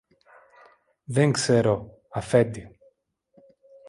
Δεν ξέρω, Αφέντη.